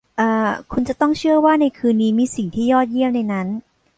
อ่า คุณจะต้องเชื่อว่าในคืนนี้มีสิ่งที่ยอดเยี่ยมในนั้น